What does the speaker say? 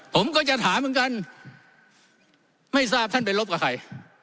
ผมก็จะถามเหมือนกันไม่ทราบท่านไปรบกับใคร